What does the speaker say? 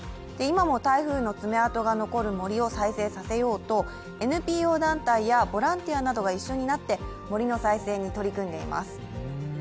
今も台風の爪痕が残る森を再生させようとＮＰＯ団体やボランティアなどが一緒になって森の再生に取り組んでいます。